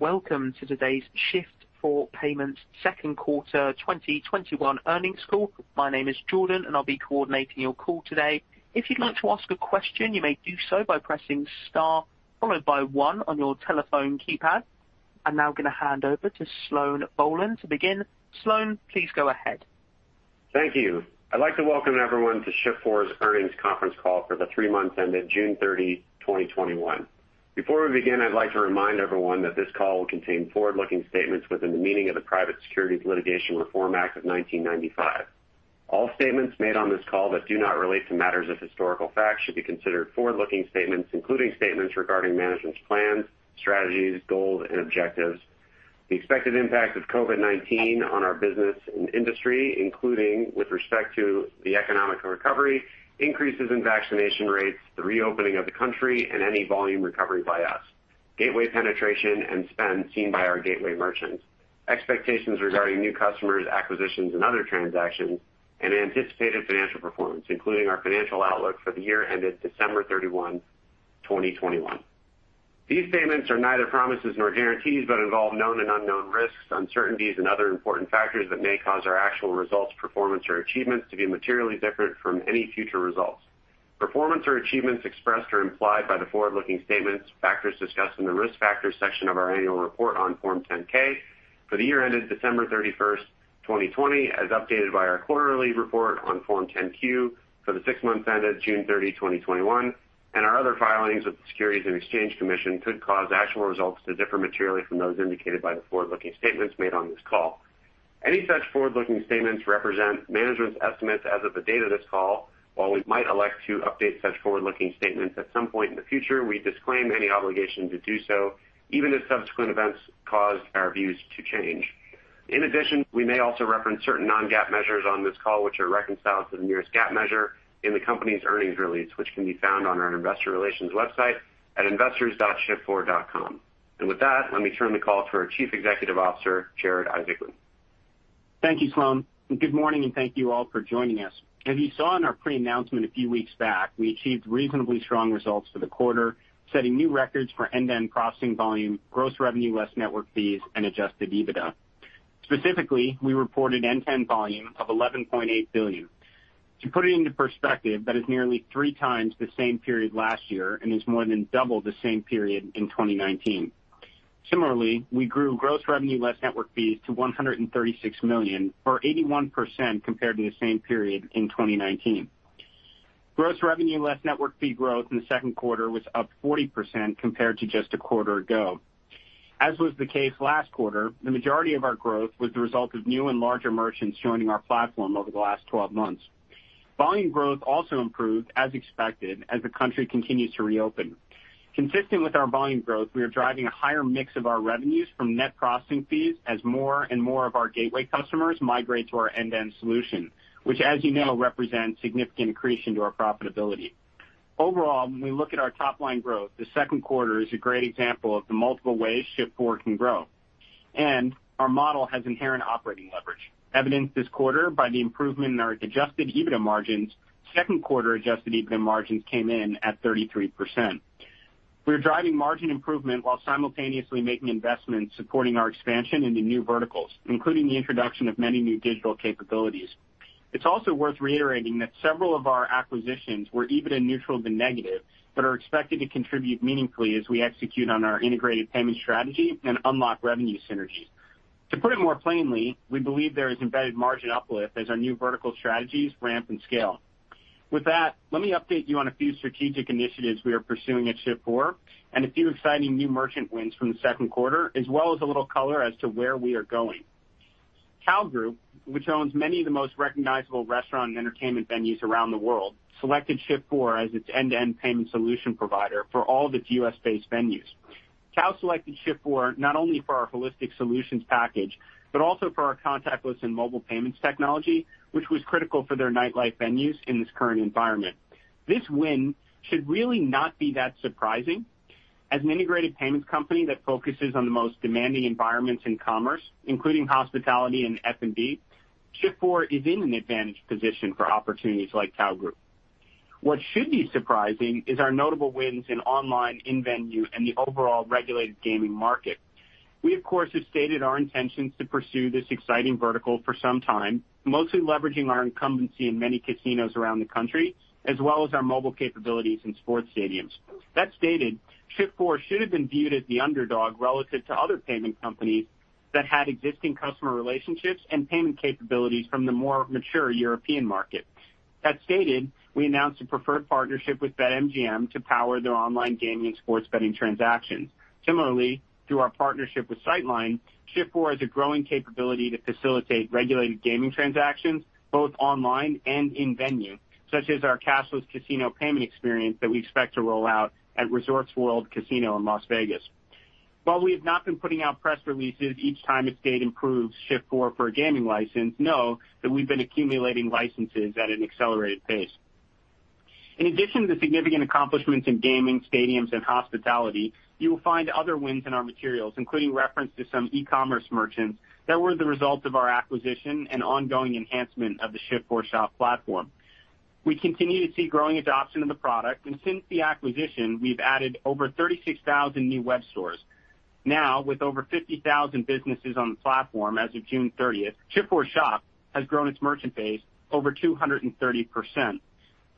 Welcome to today's Shift4 Payments second quarter 2021 earnings call. My name is Jordan, and I'll be coordinating your call today. If you'd like to ask a question, you may do so by pressing star followed by one on your telephone keypad. I'm now going to hand over to Sloan Bohlen to begin. Sloan, please go ahead. Thank you. I'd like to welcome everyone to Shift4's earnings conference call for the three months ended June 30th, 2021. Before we begin, I'd like to remind everyone that this call will contain forward-looking statements within the meaning of the Private Securities Litigation Reform Act of 1995. All statements made on this call that do not relate to matters of historical fact should be considered forward-looking statements, including statements regarding management's plans, strategies, goals, and objectives, the expected impact of COVID-19 on our business and industry, including with respect to the economic recovery, increases in vaccination rates, the reopening of the country, and any volume recovery by us, gateway penetration and spend seen by our gateway merchants, expectations regarding new customers, acquisitions, and other transactions, and anticipated financial performance, including our financial outlook for the year ended December 31st, 2021. These statements are neither promises nor guarantees but involve known and unknown risks, uncertainties, and other important factors that may cause our actual results, performance, or achievements to be materially different from any future results. Performance or achievements expressed or implied by the forward-looking statements factors discussed in the Risk Factors section of our annual report on Form 10-K for the year ended December 31st, 2020, as updated by our quarterly report on Form 10-Q for the six months ended June 30th, 2021, and our other filings with the Securities and Exchange Commission could cause actual results to differ materially from those indicated by the forward-looking statements made on this call. Any such forward-looking statements represent management's estimates as of the date of this call. While we might elect to update such forward-looking statements at some point in the future, we disclaim any obligation to do so, even if subsequent events cause our views to change. In addition, we may also reference certain non-GAAP measures on this call, which are reconciled to the nearest GAAP measure in the company's earnings release, which can be found on our investor relations website at investors.shift4.com. With that, let me turn the call to our Chief Executive Officer, Jared Isaacman. Thank you, Sloan, and good morning, and thank you all for joining us. As you saw in our pre-announcement a few weeks back, we achieved reasonably strong results for the quarter, setting new records for end-to-end processing volume, gross revenue less network fees, and Adjusted EBITDA. Specifically, we reported end-to-end volume of $11.8 billion. To put it into perspective, that is nearly 3x the same period last year and is more than double the same period in 2019. Similarly, we grew gross revenue less network fees to $136 million, or 81% compared to the same period in 2019. Gross revenue less network fee growth in the second quarter was up 40% compared to just a quarter ago. As was the case last quarter, the majority of our growth was the result of new and larger merchants joining our platform over the last 12 months. Volume growth also improved as expected as the country continues to reopen. Consistent with our volume growth, we are driving a higher mix of our revenues from net processing fees as more and more of our gateway customers migrate to our end-to-end solution, which, as you know, represents significant increase into our profitability. Overall, when we look at our top-line growth, the second quarter is a great example of the multiple ways Shift4 can grow. Our model has inherent operating leverage, evidenced this quarter by the improvement in our Adjusted EBITDA margins. Second quarter Adjusted EBITDA margins came in at 33%. We are driving margin improvement while simultaneously making investments supporting our expansion into new verticals, including the introduction of many new digital capabilities. It's also worth reiterating that several of our acquisitions were EBITDA neutral to negative but are expected to contribute meaningfully as we execute on our integrated payment strategy and unlock revenue synergies. To put it more plainly, we believe there is embedded margin uplift as our new vertical strategies ramp and scale. With that, let me update you on a few strategic initiatives we are pursuing at Shift4 and a few exciting new merchant wins from the second quarter, as well as a little color as to where we are going. Tao Group, which owns many of the most recognizable restaurant and entertainment venues around the world, selected Shift4 as its end-to-end payment solution provider for all of its U.S.-based venues. TAO selected Shift4 not only for our holistic solutions package but also for our contactless and mobile payments technology, which was critical for their nightlife venues in this current environment. This win should really not be that surprising. As an integrated payments company that focuses on the most demanding environments in commerce, including hospitality and F&B, Shift4 is in an advantaged position for opportunities like TAO Group. What should be surprising is our notable wins in online, in-venue, and the overall regulated gaming market. We, of course, have stated our intentions to pursue this exciting vertical for some time, mostly leveraging our incumbency in many casinos around the country, as well as our mobile capabilities in sports stadiums. That stated, Shift4 should have been viewed as the underdog relative to other payment companies that had existing customer relationships and payment capabilities from the more mature European market. That stated, we announced a preferred partnership with BetMGM to power their online gaming and sports betting transactions. Similarly, through our partnership with Sightline, Shift4 has a growing capability to facilitate regulated gaming transactions both online and in venue, such as our cashless casino payment experience that we expect to roll out at Resorts World Casino in Las Vegas. While we have not been putting out press releases each time a state approves Shift4 for a gaming license, know that we've been accumulating licenses at an accelerated pace. In addition to significant accomplishments in gaming, stadiums, and hospitality, you will find other wins in our materials, including reference to some e-commerce merchants that were the result of our acquisition and ongoing enhancement of the Shift4Shop platform. We continue to see growing adoption of the product, and since the acquisition, we've added over 36,000 new web stores. Now, with over 50,000 businesses on the platform as of June 30th, Shift4Shop has grown its merchant base over 230%.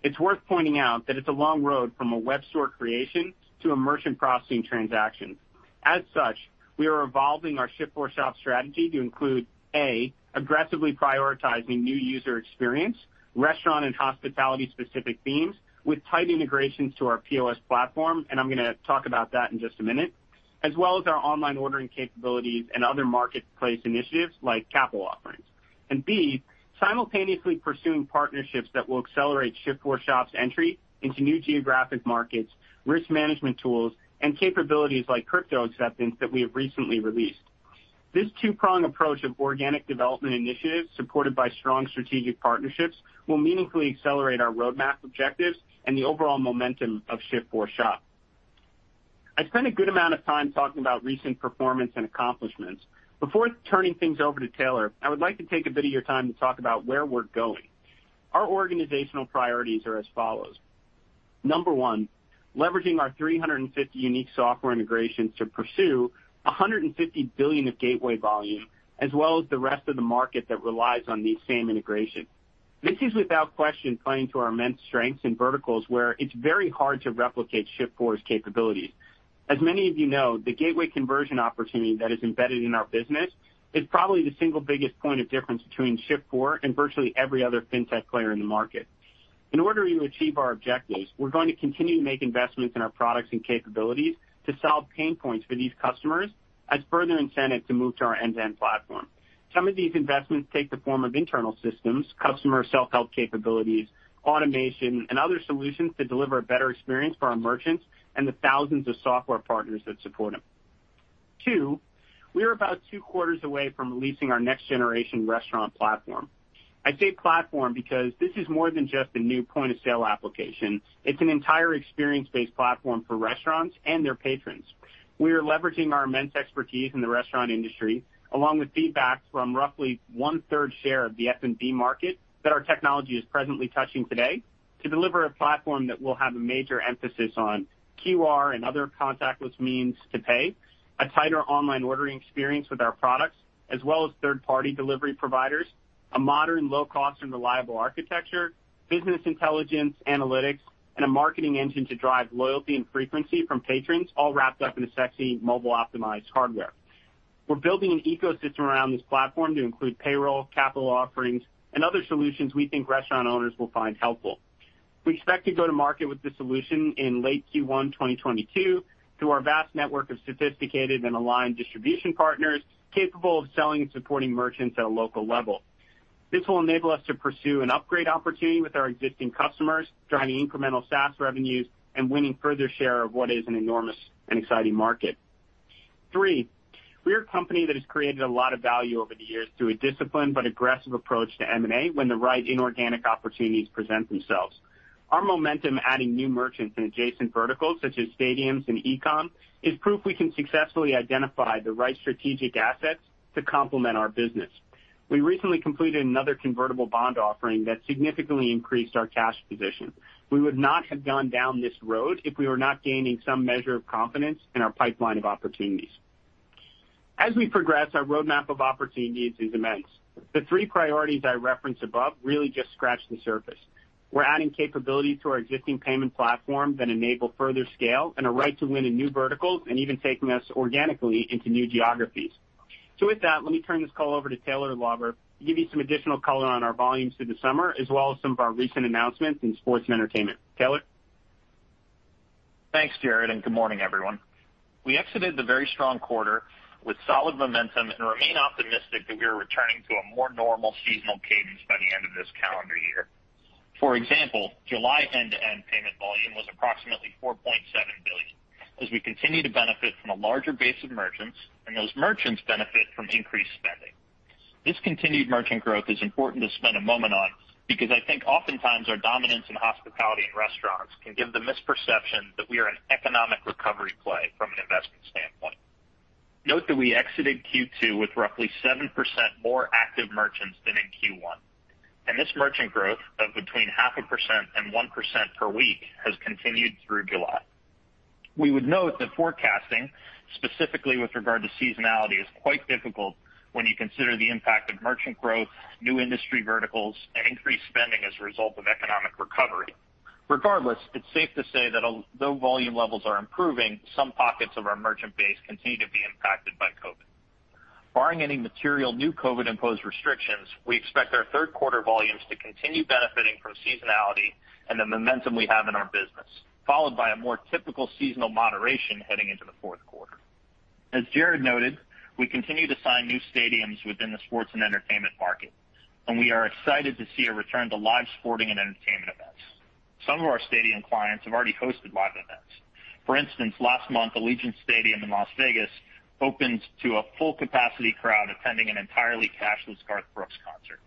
It's worth pointing out that it's a long road from a web store creation to a merchant processing transaction. As such, we are evolving our Shift4Shop strategy to include, A, aggressively prioritizing new user experience, restaurant and hospitality-specific themes with tight integrations to our POS platform, and I'm going to talk about that in just a minute, as well as our online ordering capabilities and other marketplace initiatives like capital offerings. B, simultaneously pursuing partnerships that will accelerate Shift4Shop's entry into new geographic markets, risk management tools, and capabilities like crypto acceptance that we have recently released. This two-prong approach of organic development initiatives supported by strong strategic partnerships will meaningfully accelerate our roadmap objectives and the overall momentum of Shift4Shop. I spent a good amount of time talking about recent performance and accomplishments. Before turning things over to Taylor, I would like to take a bit of your time to talk about where we're going. Our organizational priorities are as follows. Number one, leveraging our 350 unique software integrations to pursue $150 billion of gateway volume, as well as the rest of the market that relies on these same integrations. This is without question playing to our immense strengths in verticals where it's very hard to replicate Shift4's capabilities. As many of you know, the gateway conversion opportunity that is embedded in our business is probably the single biggest point of difference between Shift4 and virtually every other fintech player in the market. In order to achieve our objectives, we're going to continue to make investments in our products and capabilities to solve pain points for these customers as further incentive to move to our end-to-end platform. Some of these investments take the form of internal systems, customer self-help capabilities, automation, and other solutions to deliver a better experience for our merchants and the thousands of software partners that support them. Two, we are about two quarters away from releasing our next-generation restaurant platform. I say platform because this is more than just a new point-of-sale application. It's an entire experience-based platform for restaurants and their patrons. We are leveraging our immense expertise in the restaurant industry, along with feedback from roughly 1/3 share of the F&B market that our technology is presently touching today, to deliver a platform that will have a major emphasis on QR and other contactless means to pay, a tighter online ordering experience with our products, as well as third-party delivery providers, a modern, low-cost, and reliable architecture, business intelligence, analytics, and a marketing engine to drive loyalty and frequency from patrons, all wrapped up in a sexy mobile-optimized hardware. We're building an ecosystem around this platform to include payroll, capital offerings, and other solutions we think restaurant owners will find helpful. We expect to go to market with this solution in late Q1 2022 through our vast network of sophisticated and aligned distribution partners capable of selling and supporting merchants at a local level. This will enable us to pursue an upgrade opportunity with our existing customers, driving incremental SaaS revenues, and winning further share of what is an enormous and exciting market. Three, we're a company that has created a lot of value over the years through a disciplined but aggressive approach to M&A when the right inorganic opportunities present themselves. Our momentum adding new merchants in adjacent verticals such as stadiums and e-com is proof we can successfully identify the right strategic assets to complement our business. We recently completed another convertible bond offering that significantly increased our cash position. We would not have gone down this road if we were not gaining some measure of confidence in our pipeline of opportunities. As we progress, our roadmap of opportunities is immense. The three priorities I referenced above really just scratch the surface. We're adding capabilities to our existing payment platform that enable further scale and a right to win in new verticals, and even taking us organically into new geographies. With that, let me turn this call over to Taylor Lauber to give you some additional color on our volumes through the summer, as well as some of our recent announcements in sports and entertainment. Taylor? Thanks, Jared. Good morning, everyone. We exited the very strong quarter with solid momentum and remain optimistic that we are returning to a more normal seasonal cadence by the end of this calendar year. For example, July end-to-end payment volume was approximately $4.7 billion, as we continue to benefit from a larger base of merchants, and those merchants benefit from increased spending. This continued merchant growth is important to spend a moment on because I think oftentimes our dominance in hospitality and restaurants can give the misperception that we are an economic recovery play from an investment standpoint. Note that we exited Q2 with roughly 7% more active merchants than in Q1. This merchant growth of between 0.5% and 1% per week has continued through July. We would note that forecasting, specifically with regard to seasonality, is quite difficult when you consider the impact of merchant growth, new industry verticals, and increased spending as a result of economic recovery. Regardless, it's safe to say that although volume levels are improving, some pockets of our merchant base continue to be impacted by COVID. Barring any material new COVID-imposed restrictions, we expect our third-quarter volumes to continue benefiting from seasonality and the momentum we have in our business, followed by a more typical seasonal moderation heading into the fourth quarter. As Jared noted, we continue to sign new stadiums within the sports and entertainment market, and we are excited to see a return to live sporting and entertainment events. Some of our stadium clients have already hosted live events. For instance, last month, Allegiant Stadium in Las Vegas opened to a full-capacity crowd attending an entirely cashless Garth Brooks concert.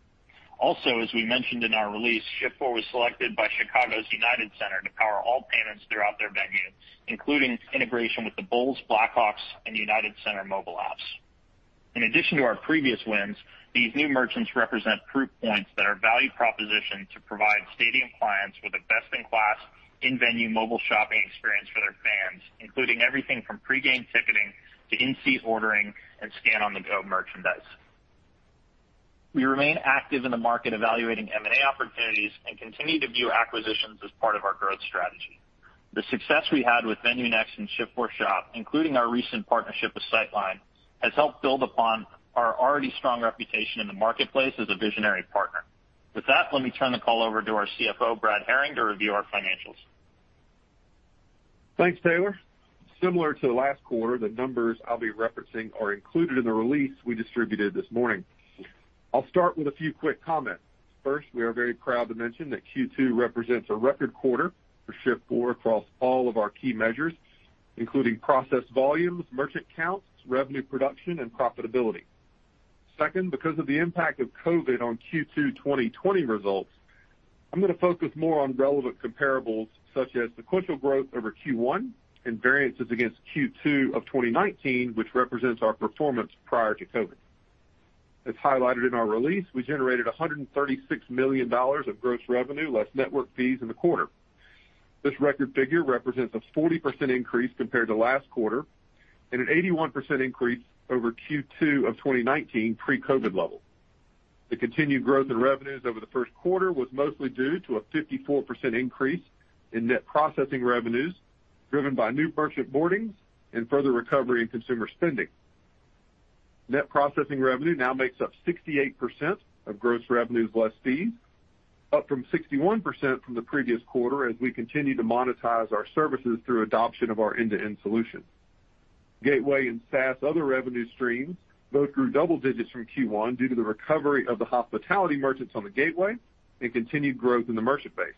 Also, as we mentioned in our release, Shift4 was selected by Chicago's United Center to power all payments throughout their venues, including integration with the Bulls, Blackhawks, and United Center mobile apps. In addition to our previous wins, these new merchants represent proof points that our value proposition to provide stadium clients with a best-in-class in-venue mobile shopping experience for their fans, including everything from pre-game ticketing to in-seat ordering and scan-on-the-go merchandise. We remain active in the market evaluating M&A opportunities and continue to view acquisitions as part of our growth strategy. The success we had with VenueNext and Shift4Shop, including our recent partnership with Sightline, has helped build upon our already strong reputation in the marketplace as a visionary partner. With that, let me turn the call over to our CFO, Brad Herring, to review our financials. Thanks, Taylor. Similar to last quarter, the numbers I'll be referencing are included in the release we distributed this morning. I'll start with a few quick comments. First, we are very proud to mention that Q2 represents a record quarter for Shift4 across all of our key measures, including process volumes, merchant counts, revenue production, and profitability. Second, because of the impact of COVID on Q2 2020 results, I'm going to focus more on relevant comparables such as sequential growth over Q1 and variances against Q2 of 2019, which represents our performance prior to COVID. As highlighted in our release, we generated $136 million of gross revenue less network fees in the quarter. This record figure represents a 40% increase compared to last quarter and an 81% increase over Q2 of 2019 pre-COVID levels. The continued growth in revenues over the first quarter was mostly due to a 54% increase in net processing revenues driven by new merchant boardings and further recovery in consumer spending. Net processing revenue now makes up 68% of gross revenues less fees, up from 61% from the previous quarter as we continue to monetize our services through adoption of our end-to-end solution. Gateway and SaaS other revenue streams both grew double digits from Q1 due to the recovery of the hospitality merchants on the Gateway and continued growth in the merchant base.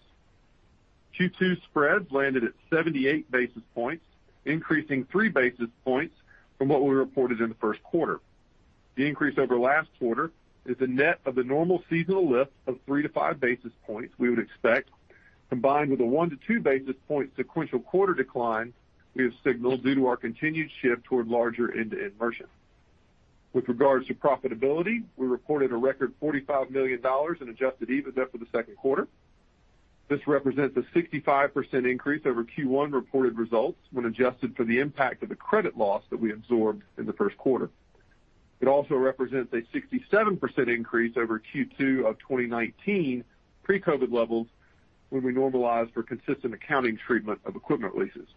Q2 spreads landed at 78 basis points, increasing three basis points from what we reported in the first quarter. The increase over last quarter is a net of the normal seasonal lift of 3 to 5 basis points we would expect, combined with a 1- to 2-basis point sequential quarter decline we have signaled due to our continued shift toward larger end-to-end merchants. With regards to profitability, we reported a record $45 million in Adjusted EBITDA for the second quarter. This represents a 65% increase over Q1 reported results when adjusted for the impact of the credit loss that we absorbed in the first quarter. It also represents a 67% increase over Q2 of 2019 pre-COVID levels when we normalize for consistent accounting treatment of equipment leases.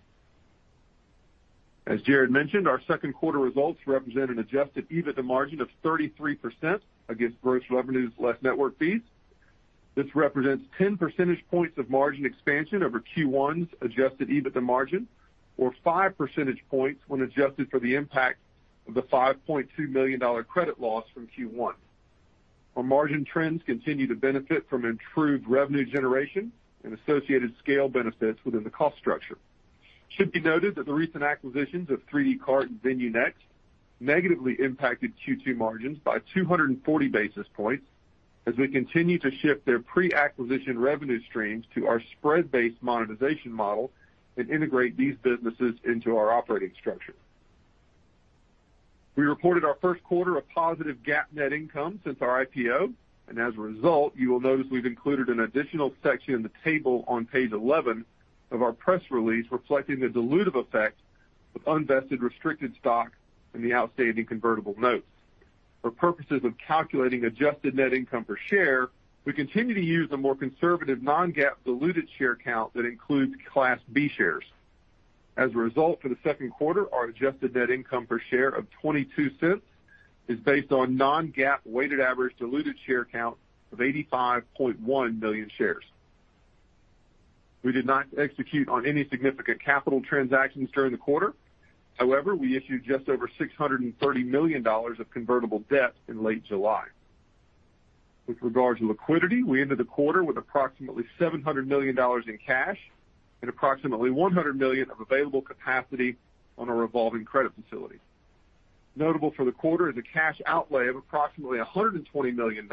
As Jared mentioned, our second quarter results represent an Adjusted EBITDA margin of 33% against gross revenues less network fees. This represents 10 percentage points of margin expansion over Q1's Adjusted EBITDA margin, or 5 percentage points when adjusted for the impact of the $5.2 million credit loss from Q1. Our margin trends continue to benefit from improved revenue generation and associated scale benefits within the cost structure. It should be noted that the recent acquisitions of 3dcart and VenueNext negatively impacted Q2 margins by 240 basis points as we continue to shift their pre-acquisition revenue streams to our spread-based monetization model and integrate these businesses into our operating structure. We reported our first quarter of positive GAAP net income since our IPO. As a result, you will notice we've included an additional section in the table on page 11 of our press release reflecting the dilutive effect of unvested restricted stock and the outstanding convertible notes. For purposes of calculating adjusted net income per share, we continue to use a more conservative non-GAAP diluted share count that includes Class B shares. As a result, for the second quarter, our adjusted net income per share of $0.22 is based on non-GAAP weighted average diluted share count of 85.1 million shares. We did not execute on any significant capital transactions during the quarter. However, we issued just over $630 million of convertible debt in late July. With regard to liquidity, we ended the quarter with approximately $700 million in cash and approximately $100 million of available capacity on our revolving credit facility. Notable for the quarter is a cash outlay of approximately $120 million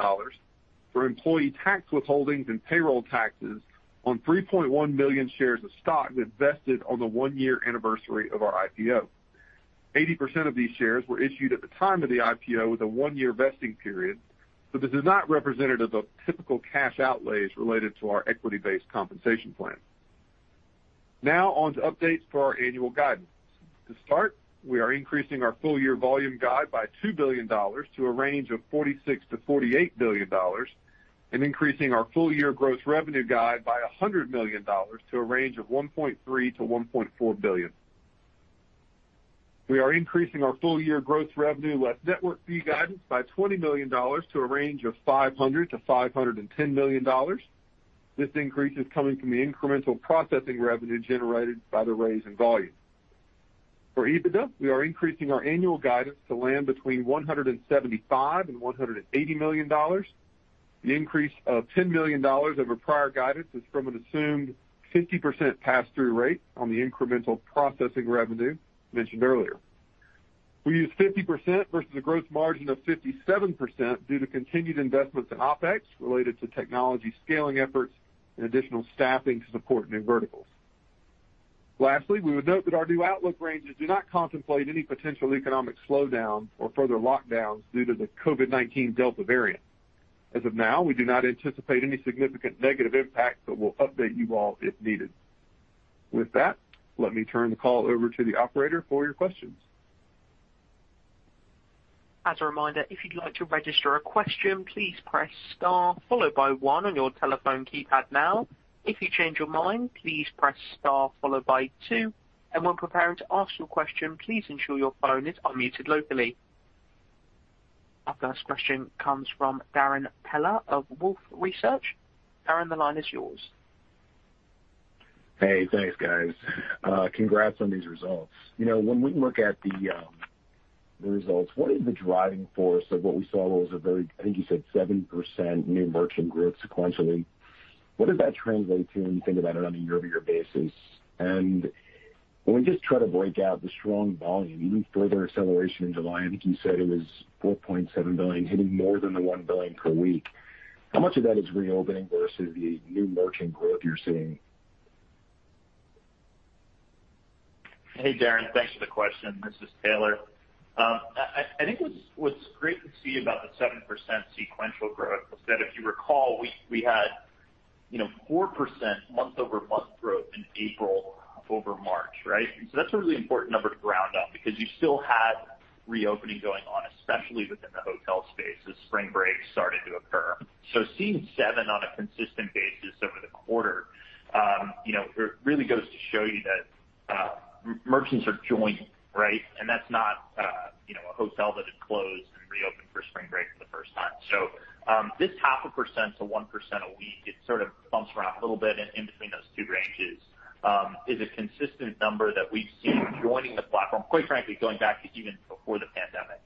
for employee tax withholdings and payroll taxes on 3.1 million shares of stock that vested on the one-year anniversary of our IPO. 80% of these shares were issued at the time of the IPO with a one-year vesting period, so this is not representative of typical cash outlays related to our equity-based compensation plan. On to updates for our annual guidance. To start, we are increasing our full-year volume guide by $2 billion to a range of $46 billion-$48 billion and increasing our full-year gross revenue guide by $100 million to a range of $1.3 billion-$1.4 billion. We are increasing our full-year gross revenue less network fee guidance by $20 million to a range of $500 million-$510 million. This increase is coming from the incremental processing revenue generated by the raise in volume. EBITDA, we are increasing our annual guidance to land between $175 million and $180 million. The increase of $10 million over prior guidance is from an assumed 50% pass-through rate on the incremental processing revenue mentioned earlier. We use 50% versus a gross margin of 57% due to continued investments in OpEx related to technology scaling efforts and additional staffing to support new verticals. Lastly, we would note that our new outlook ranges do not contemplate any potential economic slowdown or further lockdowns due to the COVID-19 Delta variant. As of now, we do not anticipate any significant negative impact, but we'll update you all if needed. With that, let me turn the call over to the operator for your questions. As a reminder if you'd like to register a question, please press star, followed by one on your telephone keypad now. If you change your mind please press star followed by two, and when preparing to ask your question, please ensure your phone is unmuted locally. Our first question comes from Darrin Peller of Wolfe Research. Darrin, the line is yours. Hey, thanks guys. Congrats on these results. When we look at the results, what is the driving force of what we saw was a very, I think you said, 7% new merchant growth sequentially? What does that translate to when you think about it on a YoY basis? When we just try to break out the strong volume, even further acceleration in July, I think you said it was $4.7 billion, hitting more than the $1 billion per week. How much of that is reopening versus the new merchant growth you're seeing? Hey, Darrin. Thanks for the question. This is Taylor. I think what's great to see about the 7% sequential growth was that if you recall, we had 4% month-over-month growth in April over March, right? That's a really important number to ground on because you still had reopening going on, especially within the hotel space as spring break started to occur. Seeing seven on a consistent basis over the quarter really goes to show you that merchants are joining, right? That's not a hotel that had closed and reopened for spring break for the first time. This 0.5%-1% a week, it sort of bumps around a little bit in between those two ranges, is a consistent number that we've seen joining the platform, quite frankly, going back to even before the pandemic.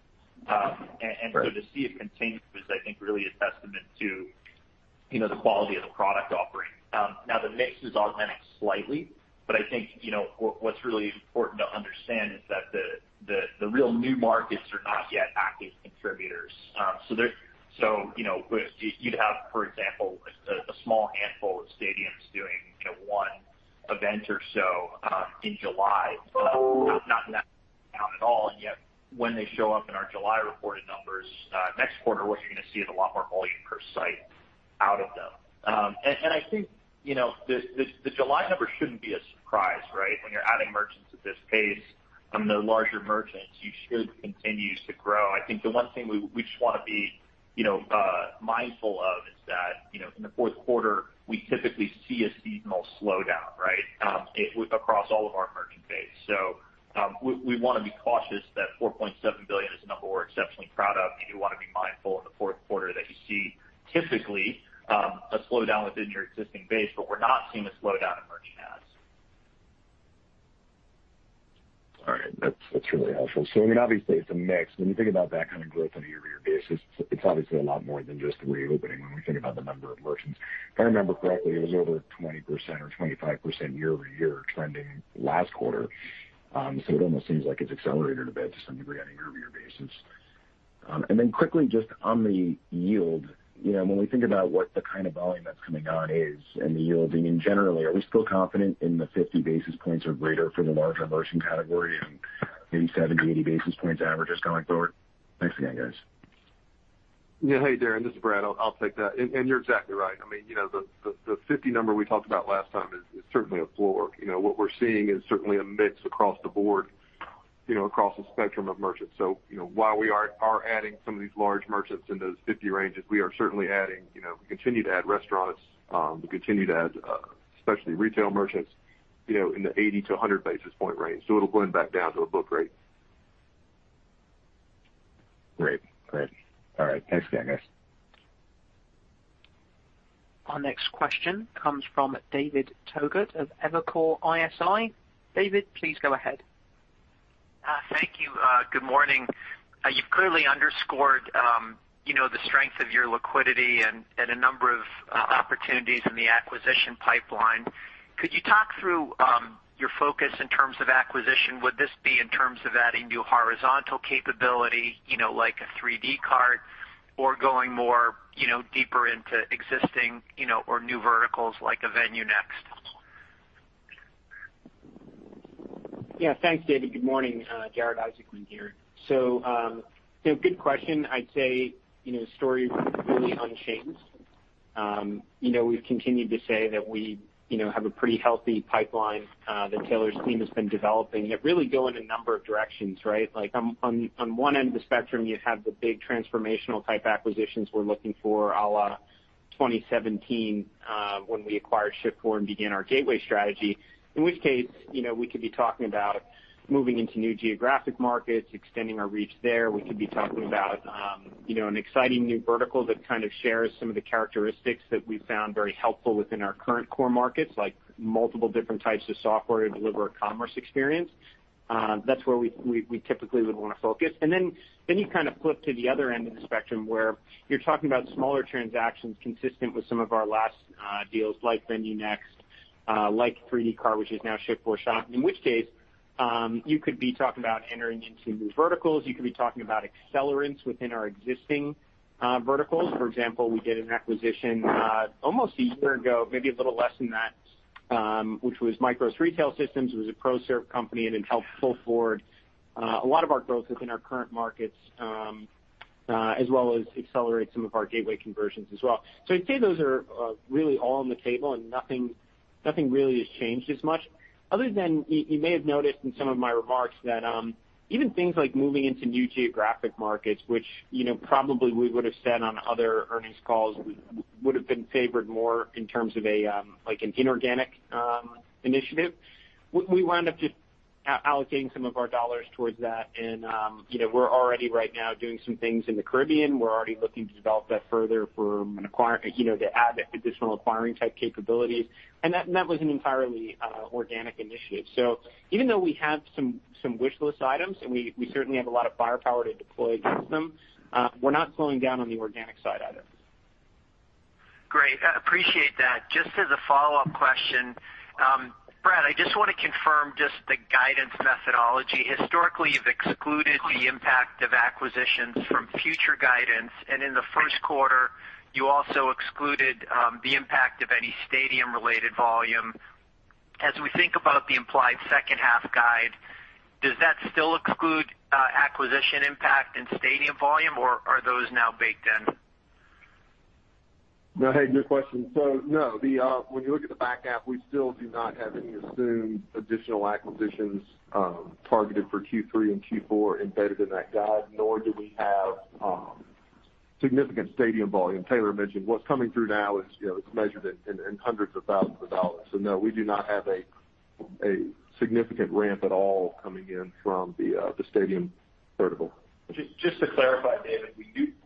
Right. To see it continue is, I think, really a testament to the quality of the product offering. The mix has augmented slightly, but I think what's really important to understand is that the real new markets are not yet active contributors. You'd have, for example, a small handful of stadiums doing one event or so in July, not in that count at all. When they show up in our July reported numbers, next quarter, what you're going to see is a lot more volume per site out of them. I think the July numbers shouldn't be a surprise, right? When you're adding merchants at this pace from the larger merchants, you should continue to grow. I think the one thing we just want to be mindful of is that in the fourth quarter, we typically see a seasonal slowdown, right, across all of our merchant base. We want to be cautious that $4.7 billion is a number we're exceptionally proud of. We do want to be mindful in the fourth quarter that you see typically a slowdown within your existing base, but we're not seeing a slowdown in merchant adds. All right. That's really helpful. Obviously it's a mix. When you think about that kind of growth on a YoY basis, it's obviously a lot more than just the reopening when we think about the number of merchants. If I remember correctly, it was over 20% or 25% YoY trending last quarter. It almost seems like it's accelerated a bit to some degree on a YoY basis. Quickly, just on the yield, when we think about what the kind of volume that's coming on is and the yield, and generally, are we still confident in the 50 basis points or greater for the larger merchant category and maybe 70 to 80 basis points averages going forward? Thanks again, guys. Hey, Darrin, this is Brad. I'll take that. You're exactly right. The 50 number we talked about last time is certainly a floor. What we're seeing is certainly a mix across the board, across the spectrum of merchants. While we are adding some of these large merchants in those 50 ranges, we are certainly adding, we continue to add restaurants. We continue to add specialty retail merchants in the 80 to 100 basis point range. It'll blend back down to a book rate. Great. All right. Thanks again, guys. Our next question comes from David Togut of Evercore ISI. David, please go ahead. Thank you. Good morning. You've clearly underscored the strength of your liquidity and a number of opportunities in the acquisition pipeline. Could you talk through your focus in terms of acquisition? Would this be in terms of adding new horizontal capability, like a 3dcart or going more deeper into existing or new verticals like a VenueNext? Yeah. Thanks, David. Good morning. Jared Isaacman here. Good question. I'd say the story is really unchanged. We've continued to say that we have a pretty healthy pipeline that Taylor's team has been developing. It really can go in a number of directions, right? Like on one end of the spectrum, you have the big transformational type acquisitions we're looking for a la 2017, when we acquired Shift4 and began our gateway strategy. In which case, we could be talking about moving into new geographic markets, extending our reach there. We could be talking about an exciting new vertical that kind of shares some of the characteristics that we found very helpful within our current core markets, like multiple different types of software to deliver a commerce experience. That's where we typically would want to focus. You kind of flip to the other end of the spectrum where you're talking about smaller transactions consistent with some of our last deals like VenueNext, like 3dcart, which is now Shift4Shop. You could be talking about entering into new verticals. You could be talking about accelerants within our existing verticals. For example, we did an acquisition almost a year ago, maybe a little less than that, which was MICROS Retail Systems. It was a ProServe company, and it helped pull forward a lot of our growth within our current markets, as well as accelerate some of our gateway conversions as well. I'd say those are really all on the table, and nothing really has changed as much, other than you may have noticed in some of my remarks that even things like moving into new geographic markets, which probably we would've said on other earnings calls, would've been favored more in terms of an inorganic initiative. We wound up just allocating some of our dollars towards that, and we're already right now doing some things in the Caribbean. We're already looking to develop that further to add the additional acquiring-type capabilities. That was an entirely organic initiative. Even though we have some wish list items, and we certainly have a lot of firepower to deploy against them, we're not slowing down on the organic side either. Great. I appreciate that. Just as a follow-up question, Brad, I just want to confirm just the guidance methodology. Historically, you've excluded the impact of acquisitions from future guidance, and in the first quarter, you also excluded the impact of any stadium-related volume. As we think about the implied second half guide, does that still exclude acquisition impact and stadium volume, or are those now baked in? No, hey, good question. No, when you look at the back half, we still do not have any assumed additional acquisitions targeted for Q3 and Q4 embedded in that guide, nor do we have significant stadium volume. Taylor mentioned what's coming through now is measured in hundreds of thousands of dollars. No, we do not have a significant ramp at all coming in from the stadium vertical. Just to clarify, David,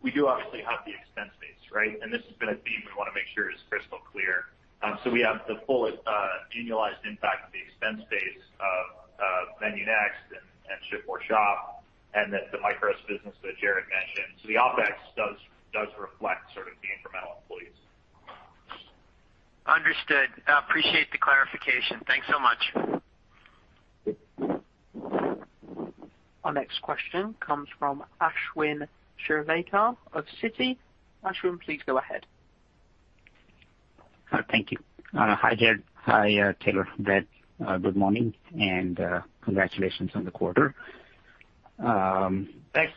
we do obviously have the expense base, right? This has been a theme we want to make sure is crystal clear. We have the full annualized impact of the expense base of VenueNext and Shift4Shop, and theMICROS business that Jared mentioned. The OpEx does reflect sort of the incremental employees. Understood. I appreciate the clarification. Thanks so much. Our next question comes from Ashwin Shirvaikar of Citi. Ashwin, please go ahead. Thank you. Hi, Jared. Hi, Taylor. Brad. Good morning, and congratulations on the quarter. Thanks.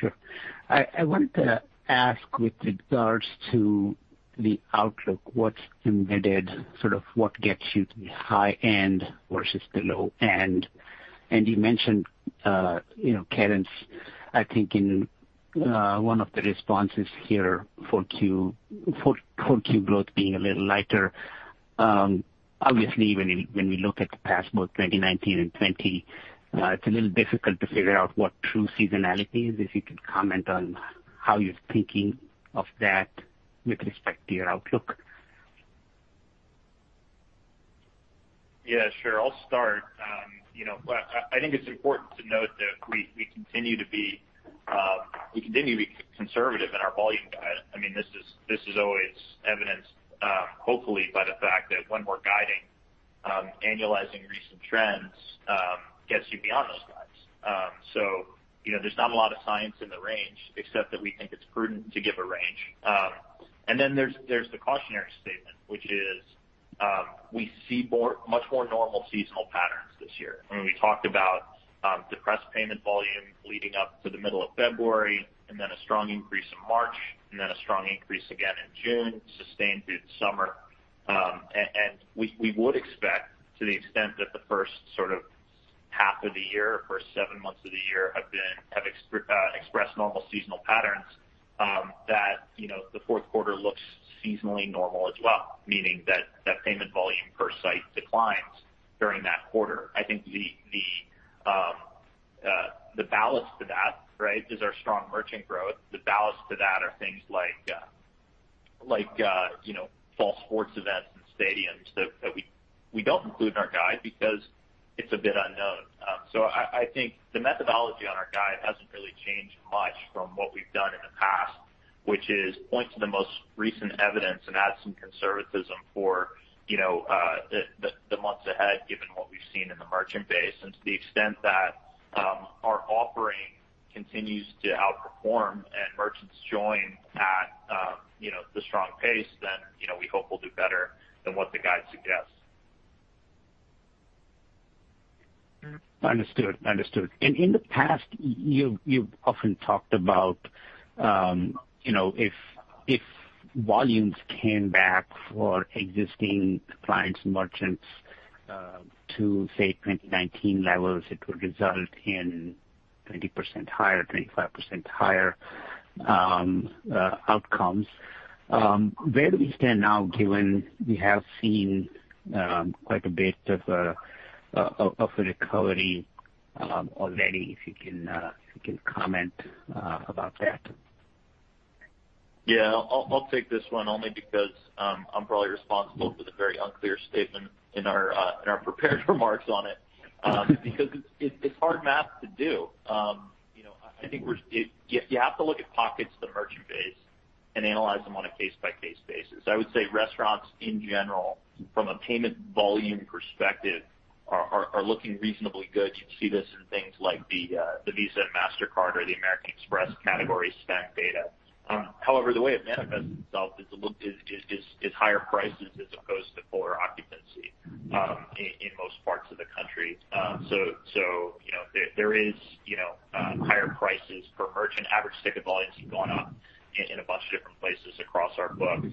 Sure. I wanted to ask with regards to the outlook, what's embedded, sort of what gets you to the high end versus the low end? You mentioned cadence, I think, in one of the responses here for Q growth being a little lighter. Obviously, when we look at the past, both 2019 and 2020, it's a little difficult to figure out what true seasonality is. If you could comment on how you're thinking of that with respect to your outlook. Yeah, sure. I'll start. I think it's important to note that we continue to be conservative in our volume guide. This is always evidenced, hopefully, by the fact that when we're guiding, annualizing recent trends gets you beyond those guides. There's not a lot of science in the range, except that we think it's prudent to give a range. There's the cautionary statement, which is we see much more normal seasonal patterns this year. We talked about depressed payment volume leading up to the middle of February, and then a strong increase in March, and then a strong increase again in June, sustained through the summer. We would expect, to the extent that the first half of the year, first seven months of the year, have expressed normal seasonal patterns, that the fourth quarter looks seasonally normal as well, meaning that payment volume per site declines during that quarter. I think the ballast to that, right, is our strong merchant growth. The ballast to that are things like fall sports events and stadiums that we don't include in our guide because it's a bit unknown. I think the methodology on our guide hasn't really changed much from what we've done in the past, which is point to the most recent evidence and add some conservatism for the months ahead, given what we've seen in the merchant base. To the extent that our offering continues to outperform and merchants join at the strong pace, then we hope we'll do better than what the guide suggests. Understood. In the past, you've often talked about if volumes came back for existing clients and merchants to, say, 2019 levels, it would result in 20% higher, 25% higher outcomes. Where do we stand now, given we have seen quite a bit of a recovery already, if you can comment about that? Yeah. I'll take this one, only because I'm probably responsible for the very unclear statement in our prepared remarks on it because it's hard math to do. I think you have to look at pockets of the merchant base and analyze them on a case-by-case basis. I would say restaurants in general, from a payment volume perspective, are looking reasonably good. You can see this in things like the Visa, Mastercard, or the American Express category spend data. However, the way it manifests itself is higher prices as opposed to fuller occupancy in most parts of the country. There is higher prices per merchant. Average ticket volumes have gone up in a bunch of different places across our book.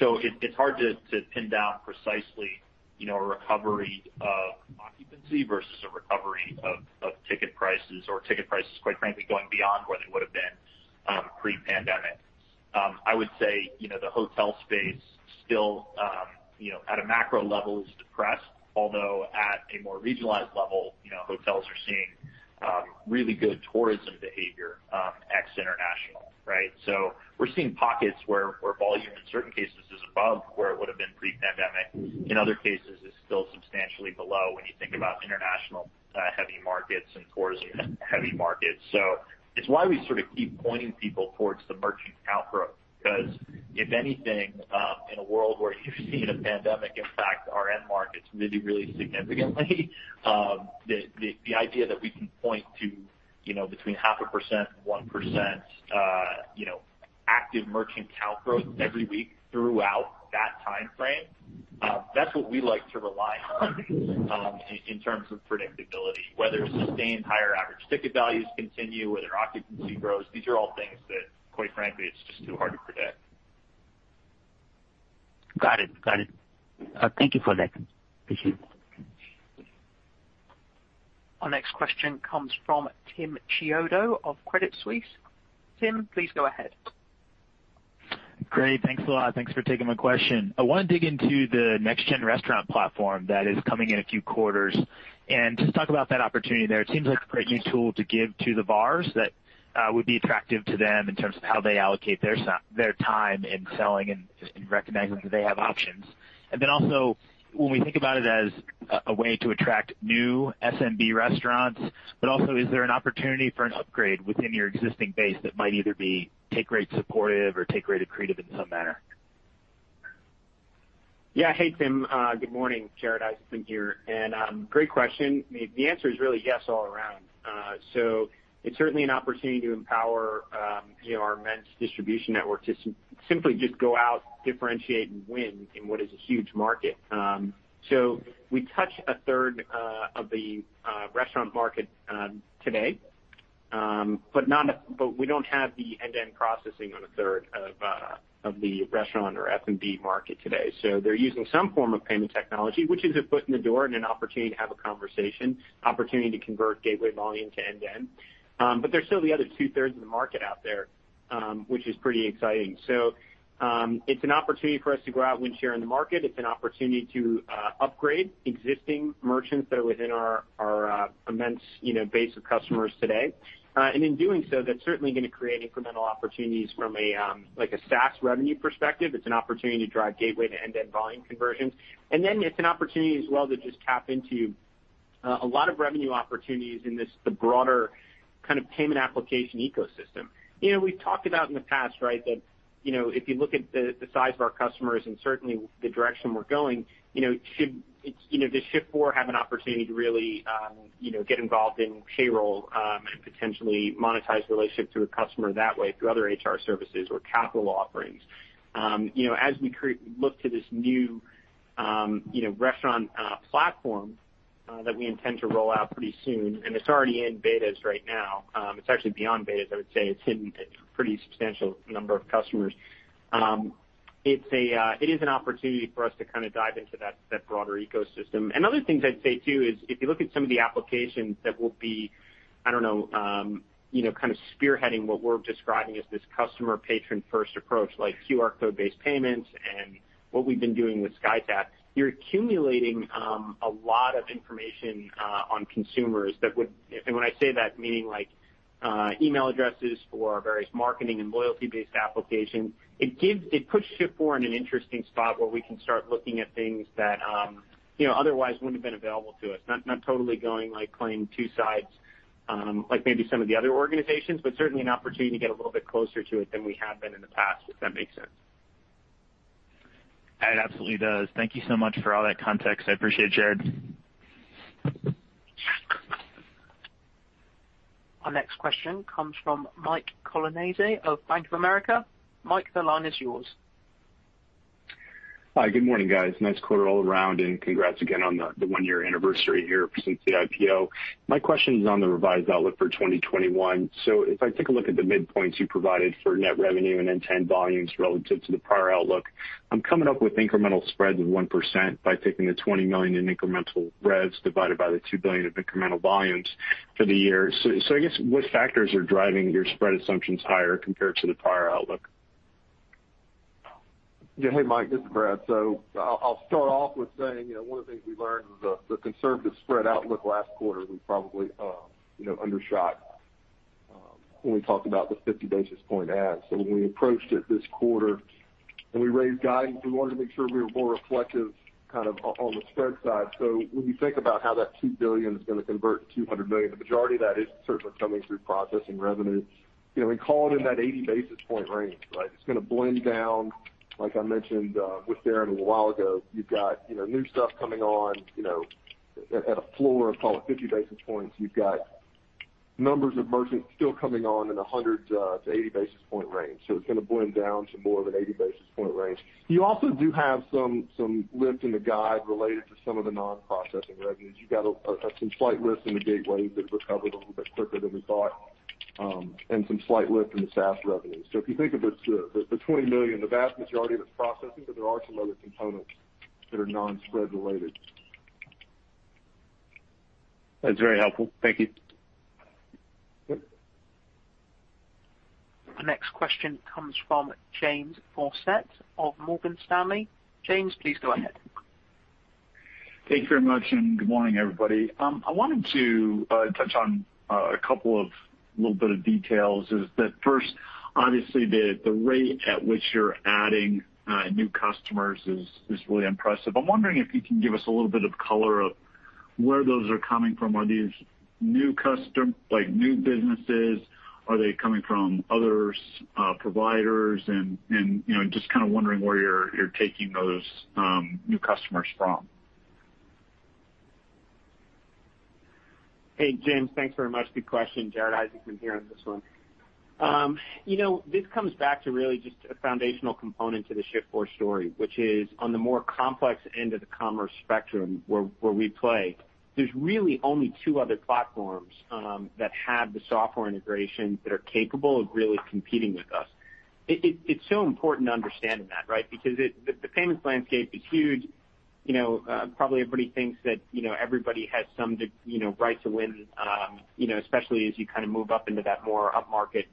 It's hard to pin down precisely a recovery of occupancy versus a recovery of ticket prices or ticket prices, quite frankly, going beyond where they would've been pre-pandemic. I would say the hotel space still at a macro level is depressed, although at a more regionalized level, hotels are seeing really good tourism behavior ex-international. We're seeing pockets where volume in certain cases is above where it would've been pre-pandemic. In other cases, it's still substantially below when you think about international-heavy markets and tourism-heavy markets. It's why we sort of keep pointing people towards the merchant count growth because, if anything, in a world where you've seen a pandemic impact our end markets really, really significantly, the idea that we can point to between 0.5%, 1% active merchant count growth every week throughout that timeframe, that's what we like to rely on in terms of predictability. Whether sustained higher average ticket values continue, whether occupancy grows, these are all things that, quite frankly, it's just too hard to predict. Got it. Thank you for that. Appreciate it. Our next question comes from Timothy Chiodo of Credit Suisse. Tim, please go ahead. Great, thanks a lot. Thanks for taking my question. I want to dig into the NextGen restaurant platform that is coming in a few quarters and just talk about that opportunity there. It seems like a great new tool to give to the bars that would be attractive to them in terms of how they allocate their time in selling and just in recognizing that they have options. Also when we think about it as a way to attract new SMB restaurants, but also is there an opportunity for an upgrade within your existing base that might either be take rate supportive or take rate accretive in some manner? Hey, Tim. Good morning. Jared Isaacman here. Great question. The answer is really yes all around. It's certainly an opportunity to empower our immense distribution network to simply just go out, differentiate, and win in what is a huge market. We touch a third of the restaurant market today. We don't have the end-to-end processing on a third of the restaurant or F&B market today. They're using some form of payment technology, which is a foot in the door and an opportunity to have a conversation, opportunity to convert gateway volume to end-to-end. There's still the other two-thirds of the market out there, which is pretty exciting. It's an opportunity for us to go out and win share in the market. It's an opportunity to upgrade existing merchants that are within our immense base of customers today. In doing so, that's certainly going to create incremental opportunities from a SaaS revenue perspective. It's an opportunity to drive gateway to end-to-end volume conversions. Then it's an opportunity as well to just tap into a lot of revenue opportunities in the broader payment application ecosystem. We've talked about in the past that if you look at the size of our customers and certainly the direction we're going, does Shift4 have an opportunity to really get involved in payroll and potentially monetize the relationship to a customer that way through other HR services or capital offerings? As we look to this new restaurant platform that we intend to roll out pretty soon, and it's already in betas right now. It's actually beyond betas, I would say. It's hitting a pretty substantial number of customers. It is an opportunity for us to dive into that broader ecosystem. Other things I'd say too is if you look at some of the applications that will be, I don't know, spearheading what we're describing as this customer patron-first approach, like QR code-based payments and what we've been doing with SkyTab. You're accumulating a lot of information on consumers. When I say that, meaning email addresses for various marketing and loyalty-based applications. It puts Shift4 in an interesting spot where we can start looking at things that otherwise wouldn't have been available to us. Not totally going like playing two sides like maybe some of the other organizations, but certainly an opportunity to get a little bit closer to it than we have been in the past, if that makes sense. It absolutely does. Thank you so much for all that context. I appreciate it, Jared. Our next question comes from Mike Colonnese of Bank of America. Mike, the line is yours. Hi. Good morning, guys. Nice quarter all around, and congrats again on the one-year anniversary here since the IPO. My question is on the revised outlook for 2021. If I take a look at the midpoints you provided for net revenue and end-to-end volumes relative to the prior outlook, I'm coming up with incremental spreads of 1% by taking the $20 million in incremental revs divided by the $2 billion of incremental volumes for the year. I guess what factors are driving your spread assumptions higher compared to the prior outlook? Yeah. Hey, Mike, this is Brad. I'll start off with saying one of the things we learned was the conservative spread outlook last quarter, we probably undershot when we talked about the 50 basis point add. When we approached it this quarter When we raised guidance, we wanted to make sure we were more reflective on the spread side. When you think about how that $2 billion is going to convert to $200 million, the majority of that is certainly coming through processing revenue. We called in that 80-basis-point range, right? It's going to blend down, like I mentioned with Darrin a little while ago. You've got new stuff coming on at a floor of call it 50 basis points. You've got numbers of merchants still coming on in the 100-80 basis point range. It's going to blend down to more of an 80-basis-point range. You also do have some lift in the guide related to some of the non-processing revenues. You've got some slight lift in the gateways that recovered a little bit quicker than we thought, and some slight lift in the SaaS revenue. If you think of the $20 million, the vast majority of it's processing, but there are some other components that are non-spread related. That's very helpful. Thank you. Yep. The next question comes from James Faucette of Morgan Stanley. James, please go ahead. Thank you very much. Good morning, everybody. I wanted to touch on a couple of little bit of details, is that first, obviously, the rate at which you're adding new customers is really impressive. I'm wondering if you can give us a little bit of color of where those are coming from. Are these new businesses? Are they coming from other providers? Just kind of wondering where you're taking those new customers from. Hey, James, thanks very much. Good question. Jared Isaacman here on this one. This comes back to really just a foundational component to the Shift4 story, which is on the more complex end of the commerce spectrum where we play, there's really only two other platforms that have the software integrations that are capable of really competing with us. It's so important to understand that, right? The payments landscape is huge. Probably everybody thinks that everybody has some right to win, especially as you move up into that more upmarket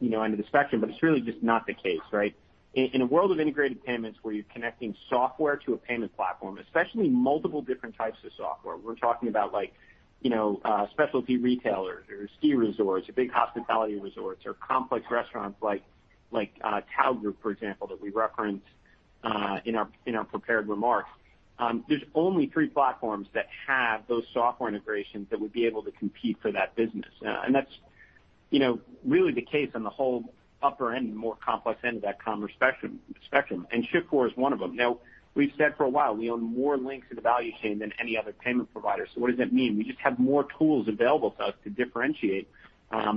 end of the spectrum. It's really just not the case, right? In a world of integrated payments where you're connecting software to a payment platform, especially multiple different types of software, we're talking about specialty retailers or ski resorts or big hospitality resorts or complex restaurants like Tao Group, for example, that we referenced in our prepared remarks. There's only three platforms that have those software integrations that would be able to compete for that business. That's really the case on the whole upper end and more complex end of that commerce spectrum, and Shift4 is one of them. Now, we've said for a while we own more links in the value chain than any other payment provider. What does that mean? We just have more tools available to us to differentiate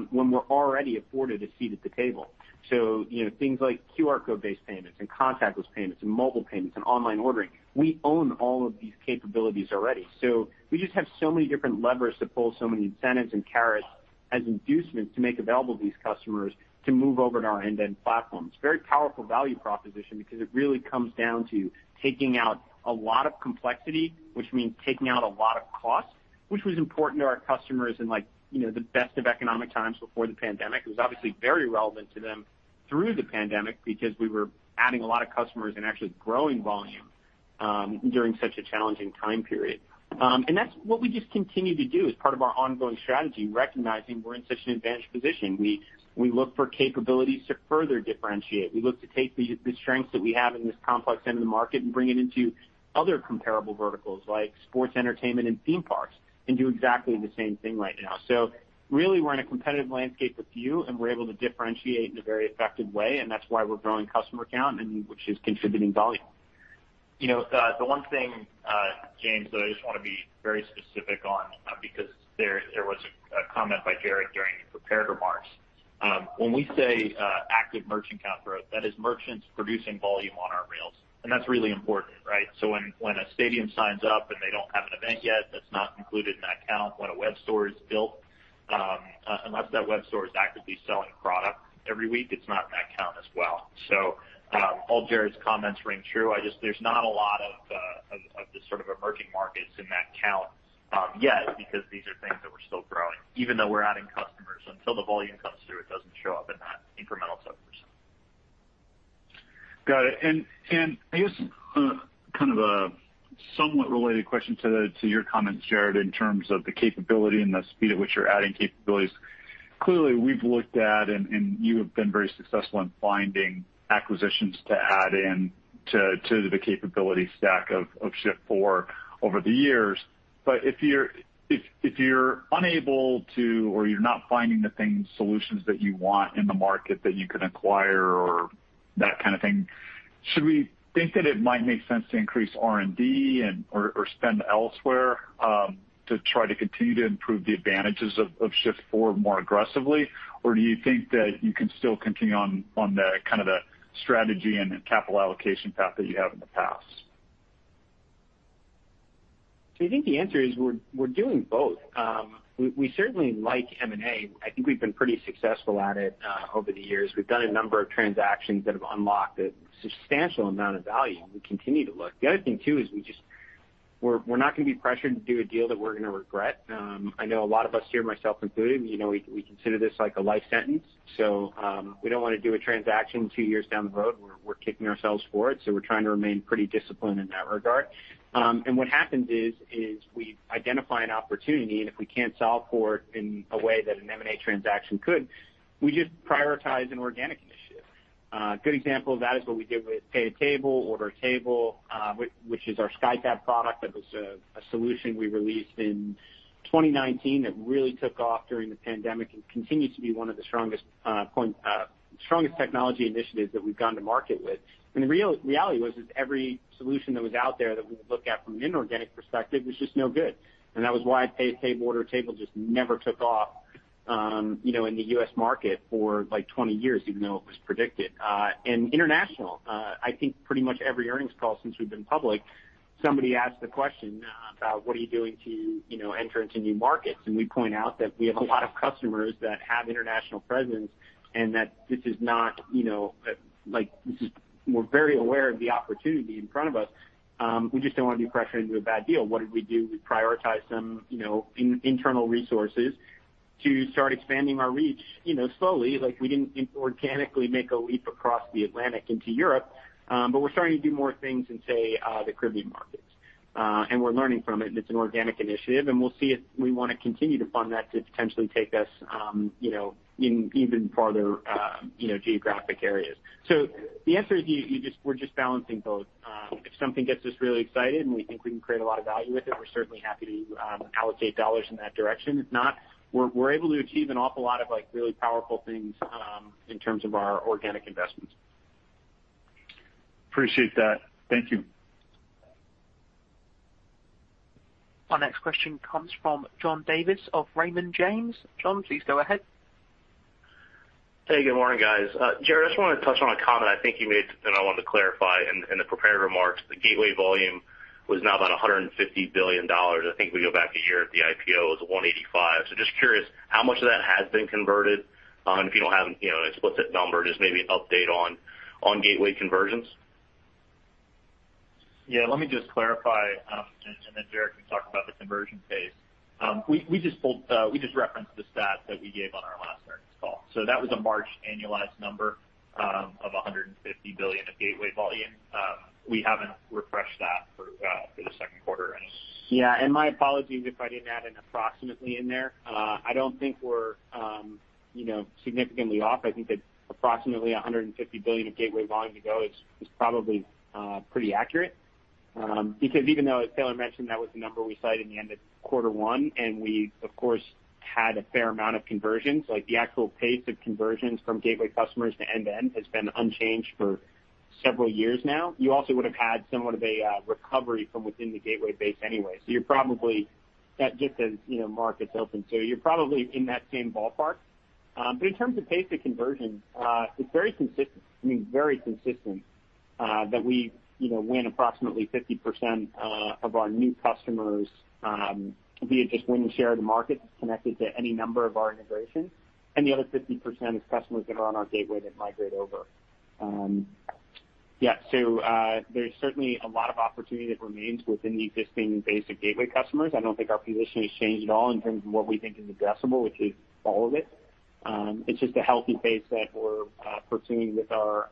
when we're already afforded a seat at the table. Things like QR code-based payments and contactless payments and mobile payments and online ordering, we own all of these capabilities already. We just have so many different levers to pull, so many incentives and carrots as inducements to make available to these customers to move over to our end-to-end platform. It's a very powerful value proposition because it really comes down to taking out a lot of complexity, which means taking out a lot of costs, which was important to our customers in the best of economic times before the pandemic. It was obviously very relevant to them through the pandemic because we were adding a lot of customers and actually growing volume during such a challenging time period. That's what we just continue to do as part of our ongoing strategy, recognizing we're in such an advantaged position. We look for capabilities to further differentiate. We look to take the strengths that we have in this complex end of the market and bring it into other comparable verticals like sports entertainment and theme parks, and do exactly the same thing right now. Really, we're in a competitive landscape with few, and we're able to differentiate in a very effective way, and that's why we're growing customer count, which is contributing volume. The one thing, James, that I just want to be very specific on because there was a comment by Jared during the prepared remarks. When we say active merchant count growth, that is merchants producing volume on our rails, and that's really important, right? When a stadium signs up and they don't have an event yet, that's not included in that count. When a web store is built, unless that web store is actively selling product every week, it's not in that count as well. All Jared's comments ring true. There's not a lot of the sort of emerging markets in that count yet because these are things that we're still growing. Even though we're adding customers, until the volume comes through, it doesn't show up in that incremental totals. Got it. I guess kind of a somewhat related question to your comments, Jared, in terms of the capability and the speed at which you're adding capabilities. Clearly, we've looked at and you have been very successful in finding acquisitions to add in to the capability stack of Shift4 over the years. If you're unable to or you're not finding the things, solutions that you want in the market that you can acquire or that kind of thing, should we think that it might make sense to increase R&D or spend elsewhere to try to continue to improve the advantages of Shift4 more aggressively? Or do you think that you can still continue on the strategy and capital allocation path that you have in the past? I think the answer is we're doing both. We certainly like M&A. I think we've been pretty successful at it over the years. We've done a number of transactions that have unlocked a substantial amount of value, and we continue to look. The other thing too is we're not going to be pressured to do a deal that we're going to regret. I know a lot of us here, myself included, we consider this like a life sentence. We don't want to do a transaction two years down the road where we're kicking ourselves for it. We're trying to remain pretty disciplined in that regard. What happens is we identify an opportunity, and if we can't solve for it in a way that an M&A transaction could, we just prioritize an organic initiative. A good example of that is what we did with Pay at Table, Order at Table, which is our SkyTab product that was a solution we released in 2019 that really took off during the pandemic and continues to be one of the strongest technology initiatives that we've gone to market with. The reality was is every solution that was out there that we would look at from an inorganic perspective was just no good. That was why Pay at Table, Order at Table just never took off in the U.S. market for 20 years, even though it was predicted. In international, I think pretty much every earnings call since we've been public, somebody asks the question about what are you doing to enter into new markets. We point out that we have a lot of customers that have international presence, and that this is not. We're very aware of the opportunity in front of us. We just don't want to be pressured into a bad deal. What did we do? We prioritized some internal resources to start expanding our reach slowly. We didn't organically make a leap across the Atlantic into Europe. We're starting to do more things in, say, the Caribbean markets. We're learning from it, and it's an organic initiative, and we'll see if we want to continue to fund that to potentially take us in even farther geographic areas. The answer is we're just balancing both. If something gets us really excited and we think we can create a lot of value with it, we're certainly happy to allocate dollars in that direction. If not, we're able to achieve an awful lot of really powerful things in terms of our organic investments. Appreciate that. Thank you. Our next question comes from John Davis of Raymond James. John, please go ahead. Hey, good morning, guys. Jared, I just wanted to touch on a comment I think you made that I wanted to clarify in the prepared remarks. The gateway volume was now about $150 billion. I think if we go back a year at the IPO, it was $185 billion. Just curious how much of that has been converted? If you don't have an explicit number, just maybe an update on gateway conversions. Yeah, let me just clarify, and then Jared can talk about the conversion pace. We just referenced the stat that we gave on our last earnings call. That was a March annualized number of $150 billion of gateway volume. We haven't refreshed that for the second quarter any. Yeah. My apologies if I didn't add an approximately in there. I don't think we're significantly off. I think that approximately $150 billion of gateway volume to go is probably pretty accurate. Because even though, as Taylor mentioned, that was the number we cited in the end of Q1, and we of course, had a fair amount of conversions, like the actual pace of conversions from gateway customers to end-to-end has been unchanged for several years now. You also would have had somewhat of a recovery from within the gateway base anyway. Just as markets open too, you're probably in that same ballpark. In terms of pace of conversion, it's very consistent that we win approximately 50% of our new customers via just winning share of the market that's connected to any number of our integrations. The other 50% is customers that are on our gateway that migrate over. Yeah. There's certainly a lot of opportunity that remains within the existing base of gateway customers. I don't think our position has changed at all in terms of what we think is addressable, which is all of it. It's just a healthy pace that we're pursuing with our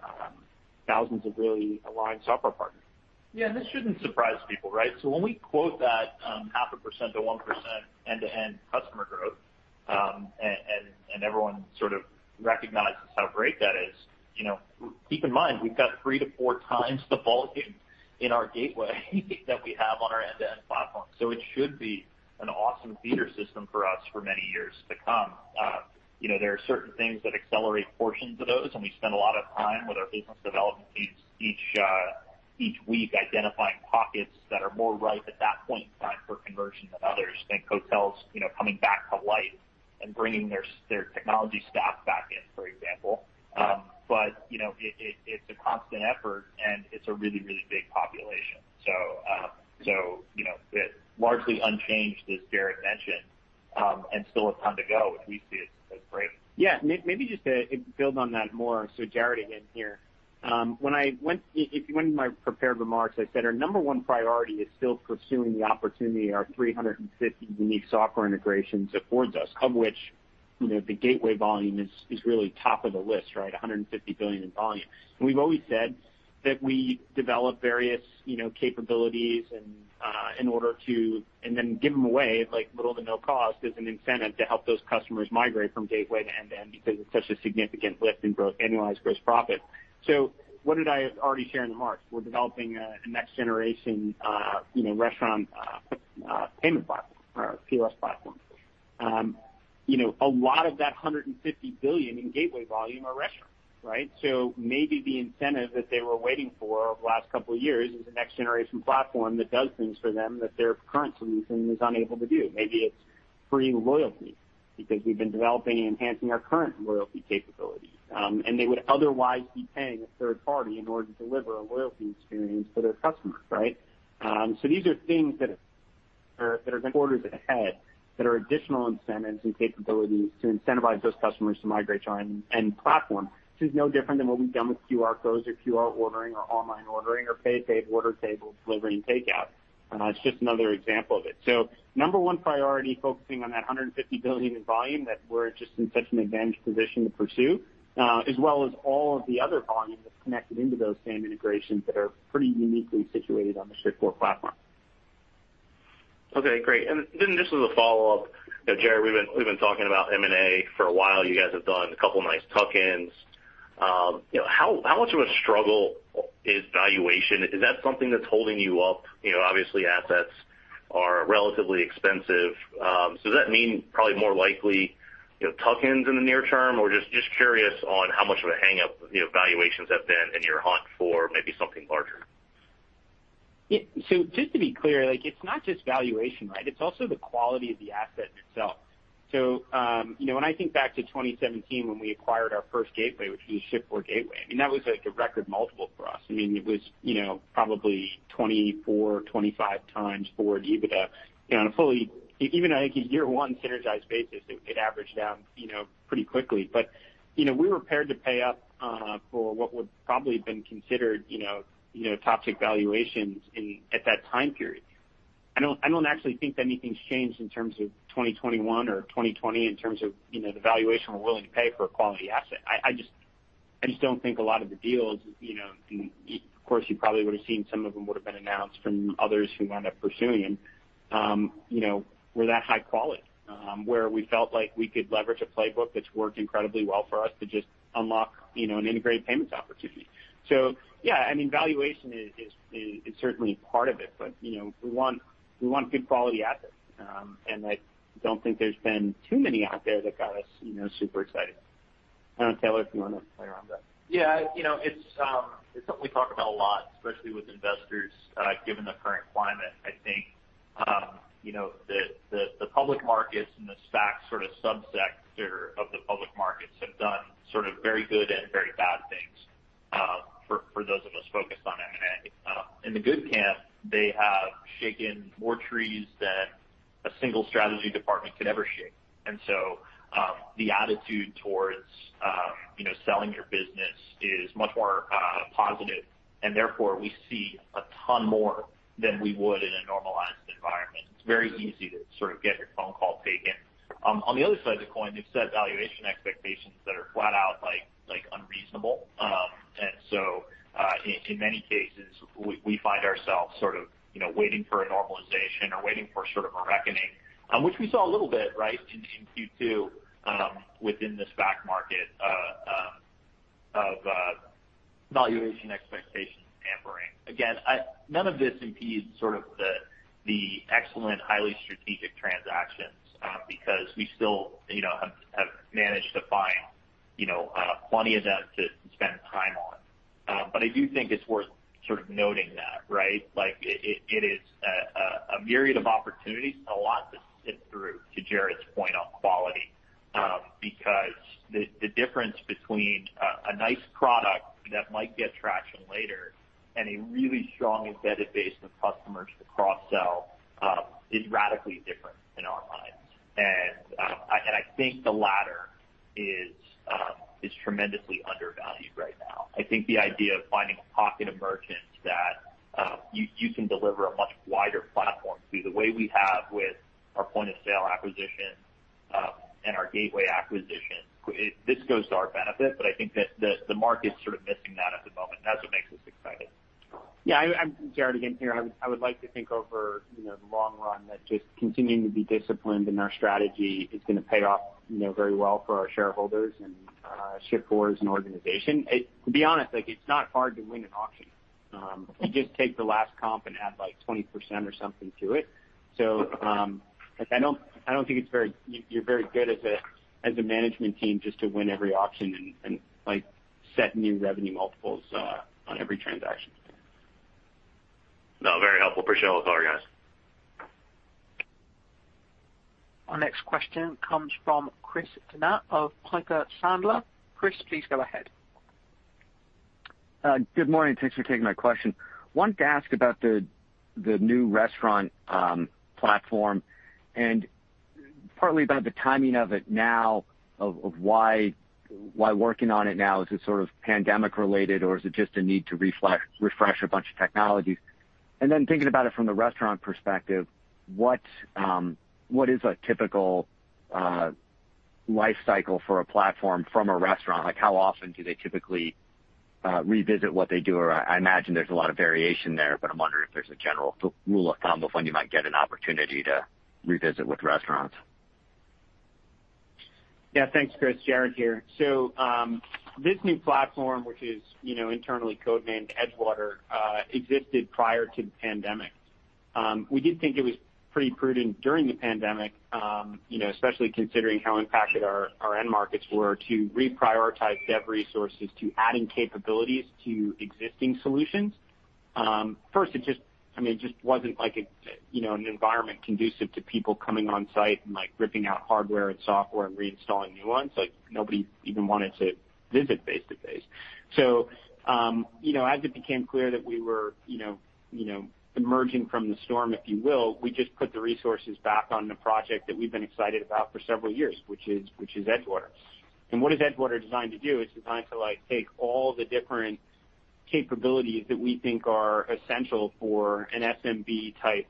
thousands of really aligned software partners. Yeah, this shouldn't surprise people, right? When we quote that 0.5% to 1% end-to-end customer growth, and everyone sort of recognizes how great that is, keep in mind, we've got three to four times the volume in our gateway that we have on our end-to-end platform. It should be an awesome feeder system for us for many years to come. There are certain things that accelerate portions of those, and we spend a lot of time with our business development leads each week identifying pockets that are more ripe at that point in time for conversion than others. Think hotels coming back to life and bringing their technology staff back in, for example. It's a constant effort and it's a really big population. It's largely unchanged, as Jared mentioned, and still a ton to go, and we see it as great. Yeah. Maybe just to build on that more, Jared again here. If you went into my prepared remarks, I said our number one priority is still pursuing the opportunity our 350 unique software integrations affords us, of which the gateway volume is really top of the list, right? $150 billion in volume. We've always said that we develop various capabilities and then give them away at little to no cost as an incentive to help those customers migrate from gateway to end-to-end because it's such a significant lift in annualized gross profit. What did I already share in the remarks? We're developing a next generation restaurant payment platform or a POS platform. A lot of that $150 billion in gateway volume are restaurants, right? Maybe the incentive that they were waiting for over the last two years is a next generation platform that does things for them that their current solution is unable to do. Maybe it's free loyalty because we've been developing and enhancing our current loyalty capabilities. They would otherwise be paying a third party in order to deliver a loyalty experience for their customers, right? These are things that are quarters ahead, that are additional incentives and capabilities to incentivize those customers to migrate to our end platform. This is no different than what we've done with QR codes or QR ordering or online ordering or Pay at Table, Order at Table, delivery, and takeout. It's just another example of it. Number one priority, focusing on that $150 billion in volume that we're just in such an advantaged position to pursue, as well as all of the other volume that's connected into those same integrations that are pretty uniquely situated on the Shift4 platform. Okay, great. Just as a follow-up, Jared, we've been talking about M&A for a while. You guys have done a couple of nice tuck-ins. How much of a struggle is valuation? Is that something that's holding you up? Obviously, assets are relatively expensive. Does that mean probably more likely, tuck-ins in the near term? Just curious on how much of a hang-up valuations have been in your hunt for maybe something larger. Just to be clear, it's not just valuation, right? It's also the quality of the asset itself. When I think back to 2017, when we acquired our first gateway, which was Shift4 Gateway, that was like a record multiple for us. It was probably 24, 25x forward EBITDA. On a fully, even I think a year one synergized basis, it averaged down pretty quickly. We were prepared to pay up for what would probably have been considered toxic valuations at that time period. I don't actually think that anything's changed in terms of 2021 or 2020 in terms of the valuation we're willing to pay for a quality asset. I just don't think a lot of the deals, of course, you probably would've seen some of them would've been announced from others who end up pursuing them, were that high quality, where we felt like we could leverage a playbook that's worked incredibly well for us to just unlock an integrated payments opportunity. So, yeah, valuation is certainly part of it, but we want good quality assets. I don't think there's been too many out there that got us super excited. I don't know, Taylor, if you want to play around that. Yeah, it's something we talk about a lot, especially with investors, given the current climate. I think the public markets and the spend sub-sector of the public markets have done very good and very bad things for those of us focused on M&A. In the good camp, they have shaken more trees than a single strategy department could ever shake. The attitude towards selling your business is much more positive. Therefore, we see a ton more than we would in a normalized environment. It's very easy to sort of get your phone call taken. On the other side of the coin, they've set valuation expectations that are flat out unreasonable. In many cases, we find ourselves sort of waiting for a normalization or waiting for a reckoning, which we saw a little bit, right, in Q2 within the spend market of valuation expectations tampering. Again, none of this impedes the excellent, highly strategic transactions, because we still have managed to find plenty of them to spend time on. I do think it's worth noting that, right? It is a myriad of opportunities and a lot to sift through, to Jared's point on quality, because the difference between a nice product that might get traction later and a really strong embedded base of customers to cross-sell is radically different in our minds. I think the latter is tremendously undervalued right now. I think the idea of finding a pocket of merchants that you can deliver a much wider platform to, the way we have with our point-of-sale acquisition, and our gateway acquisition, this goes to our benefit, but I think that the market's sort of missing that at the moment, and that's what makes us excited. Yeah, Jared again here. I would like to think over the long run that just continuing to be disciplined in our strategy is going to pay off very well for our shareholders and Shift4 as an organization. To be honest, it's not hard to win an auction. You just take the last comp and add like 20% or something to it. I don't think you're very good as a management team just to win every auction and set new revenue multiples on every transaction. No, very helpful. Appreciate all the color, guys. Our next question comes from Christopher Donat of Piper Sandler. Chris, please go ahead. Good morning. Thanks for taking my question. Wanted to ask about the new restaurant platform, and partly about the timing of it now, of why working on it now, is it sort of pandemic related, or is it just a need to refresh a bunch of technologies? Then thinking about it from the restaurant perspective, what is a typical life cycle for a platform from a restaurant? Like how often do they typically revisit what they do, or I imagine there's a lot of variation there, but I'm wondering if there's a general rule of thumb of when you might get an opportunity to revisit with restaurants. Thanks, Chris. Jared here. This new platform, which is internally code-named Edgewater, existed prior to the pandemic. We did think it was pretty prudent during the pandemic, especially considering how impacted our end markets were to reprioritize dev resources to adding capabilities to existing solutions. It just wasn't like an environment conducive to people coming on site and ripping out hardware and software and reinstalling new ones. Nobody even wanted to visit face-to-face. As it became clear that we were emerging from the storm, if you will, we just put the resources back on the project that we've been excited about for several years, which is Edgewater. What is Edgewater designed to do? It's designed to take all the different capabilities that we think are essential for an SMB-type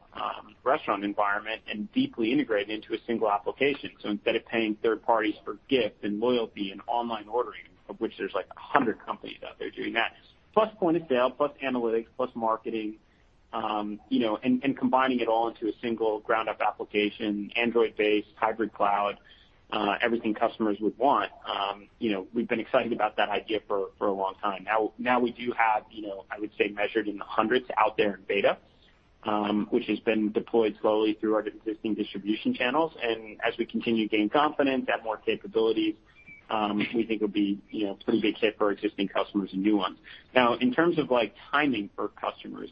restaurant environment and deeply integrate it into a single application. Instead of paying third parties for gift and loyalty and online ordering, of which there's like 100 companies out there doing that, plus point of sale, plus analytics, plus marketing and combining it all into a single ground-up application, Android-based, hybrid cloud, everything customers would want. We've been excited about that idea for a long time. We do have, I would say, measured in the hundreds out there in beta, which has been deployed slowly through our existing distribution channels. As we continue to gain confidence, add more capabilities, we think it'll be pretty big hit for our existing customers and new ones. In terms of timing for customers,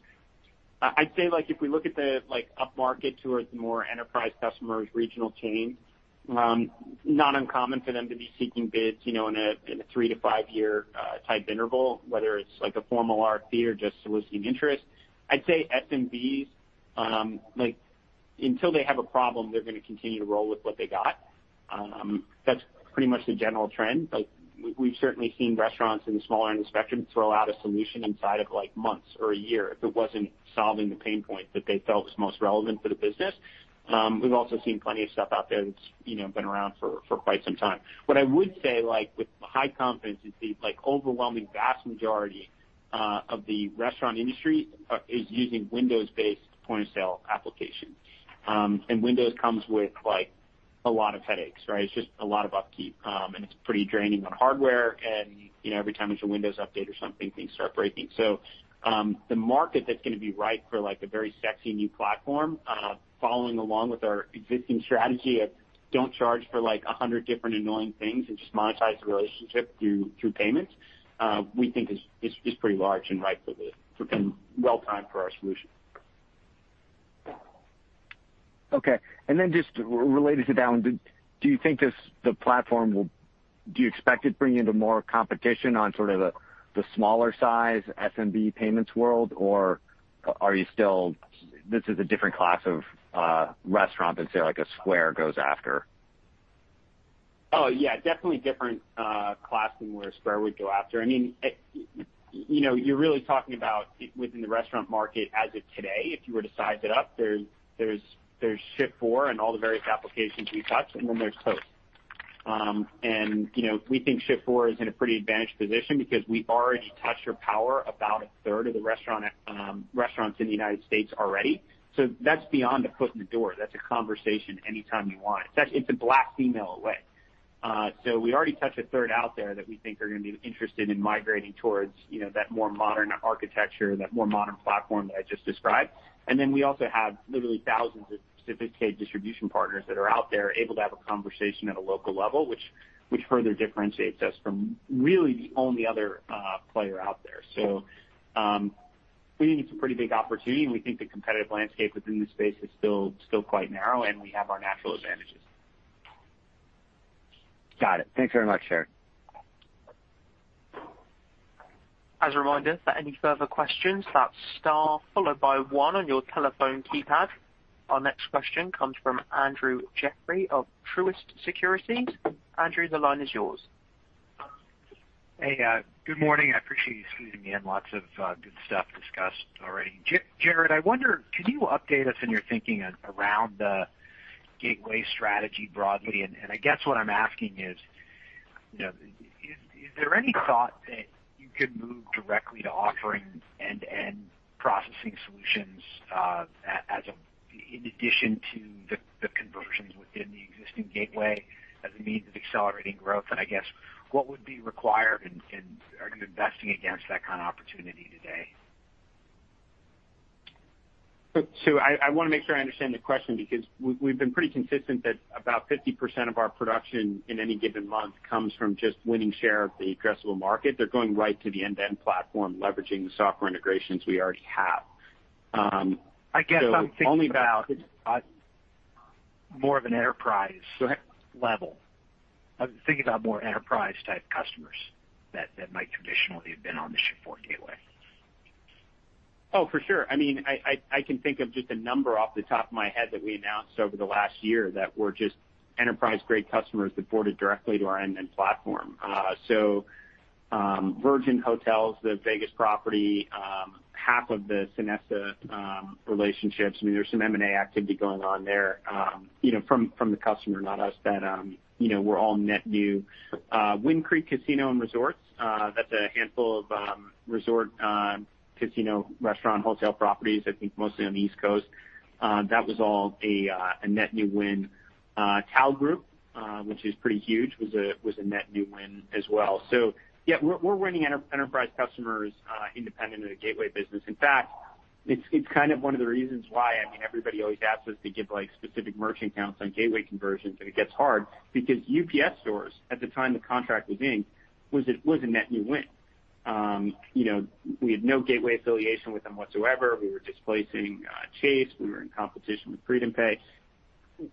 I'd say if we look at the upmarket towards more enterprise customers, regional chains, not uncommon for them to be seeking bids in a three to five-year type interval, whether it's a formal RFP or just soliciting interest. I'd say SMBs, until they have a problem, they're going to continue to roll with what they got. That's pretty much the general trend. We've certainly seen restaurants in the smaller end of spectrum throw out a solution inside of months or a year if it wasn't solving the pain point that they felt was most relevant for the business. We've also seen plenty of stuff out there that's been around for quite some time. What I would say with high confidence is the overwhelming vast majority of the restaurant industry is using Windows-based point-of-sale application. Windows comes with a lot of headaches. It's just a lot of upkeep, and it's pretty draining on hardware, and every time there's a Windows update or something, things start breaking. The market that's going to be ripe for a very sexy new platform following along with our existing strategy of don't charge for 100 different annoying things and just monetize the relationship through payments we think is pretty large and ripe for well-timed for our solution. Okay. Just related to that one, do you expect the platform will bring you into more competition on sort of the smaller size SMB payments world? This is a different class of restaurant than, say, like a Square goes after. Oh, yeah, definitely different class than where Square would go after. You're really talking about within the restaurant market as of today, if you were to size it up, there's Shift4 and all the various applications we touch, then there's Toast. We think Shift4 is in a pretty advantaged position because we already touch or power about a third of the restaurants in the U.S. already. That's beyond a foot in the door. That's a conversation anytime you want. It's a blast email away. We already touch a third out there that we think are going to be interested in migrating towards that more modern architecture, that more modern platform that I just described. Then we also have literally thousands of sophisticated distribution partners that are out there able to have a conversation at a local level, which further differentiates us from really the only other player out there. We think it's a pretty big opportunity, and we think the competitive landscape within the space is still quite narrow, and we have our natural advantages. Got it. Thanks very much, Jared. Our next question comes from Andrew Jeffrey of Truist Securities. Andrew, the line is yours. Hey, good morning. I appreciate you squeezing me in. Lots of good stuff discussed already. Jared, I wonder, could you update us on your thinking around the gateway strategy broadly? I guess what I'm asking is there any thought that you could move directly to offering end-to-end processing solutions in addition to the conversions within the existing gateway as a means of accelerating growth? I guess what would be required, and are you investing against that kind of opportunity today? I want to make sure I understand the question because we've been pretty consistent that about 50% of our production in any given month comes from just winning share of the addressable market. They're going right to the end-to-end platform, leveraging the software integrations we already have. I guess I'm thinking about- So only about- more of an enterprise level. I was thinking about more enterprise-type customers that might traditionally have been on the Shift4 Gateway. Oh, for sure. I can think of just a number off the top of my head that we announced over the last year that were just enterprise-grade customers that boarded directly to our end-to-end platform. Virgin Hotels, the Vegas property, half of the Sonesta relationships, there's some M&A activity going on there from the customer, not us, that were all net new. Wind Creek Casino and Resorts, that's a handful of resort casino restaurant hotel properties, I think mostly on the East Coast. That was all a net new win. CAL Group, which is pretty huge, was a net new win as well. Yeah, we're winning enterprise customers independent of the gateway business. It's kind of one of the reasons why everybody always asks us to give specific merchant counts on gateway conversions, and it gets hard because The UPS Store, at the time the contract was inked, was a net new win. We had no gateway affiliation with them whatsoever. We were displacing Chase. We were in competition with FreedomPay.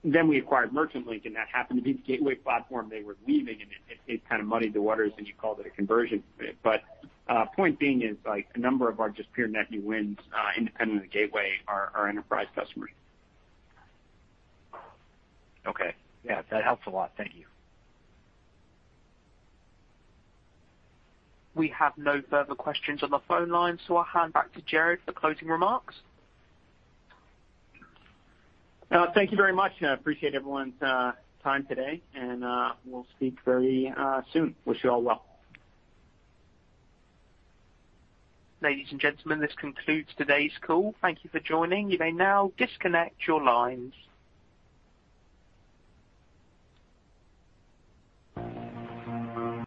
We acquired MerchantLink, and that happened to be the gateway platform they were leaving, and it kind of muddied the waters, and you called it a conversion. Point being is a number of our just pure net new wins independent of the gateway are enterprise customers. Okay. Yeah, that helps a lot. Thank you. We have no further questions on the phone line, so I'll hand back to Jared for closing remarks. Thank you very much. I appreciate everyone's time today. We'll speak very soon. Wish you all well. Ladies and gentlemen, this concludes today's call. Thank you for joining. You may now disconnect your lines.